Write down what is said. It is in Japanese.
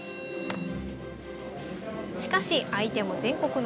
しかし相手も全国の強豪。